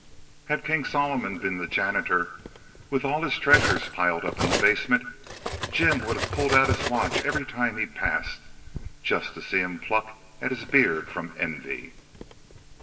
Had King Solomon been the janitor, with all his treasures piled up in the basement, Jim would have pulled out his watch every time he passed, just to see him pluck at his beard from envy.